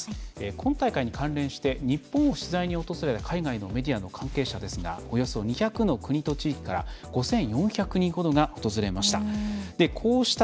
今大会に関連して日本を取材に訪れた海外のメディアの関係者ですがおよそ２００の国と地域から５４００人ほどが訪れました。